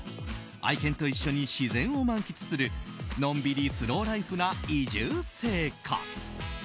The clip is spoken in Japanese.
愛犬と一緒に自然を満喫するのんびりスローライフな移住生活。